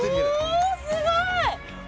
おおすごい！